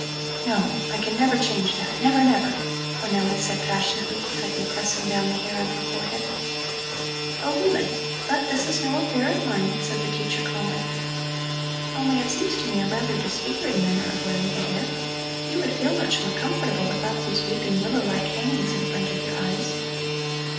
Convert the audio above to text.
"No, I can never change that, never, never," Cornelli said passionately, tightly pressing down the hair on her forehead. "Oh, really! But this is no affair of mine," said the teacher calmly. "Only it seems to me a rather disfiguring manner of wearing the hair. You would feel much more comfortable without these weeping willow like hangings in front of your eyes."